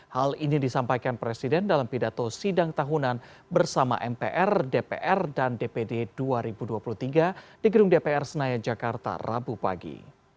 hal ini disampaikan presiden dalam pidato sidang tahunan bersama mpr dpr dan dpd dua ribu dua puluh tiga di gedung dpr senayan jakarta rabu pagi